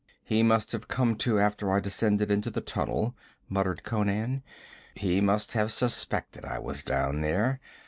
'He must have come to after I descended into the tunnel,' muttered Conan. 'He must have suspected I was down there.